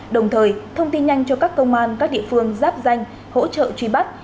đồng thời thông tin nhanh cho các công an các địa phương giáp danh hỗ trợ truy bắt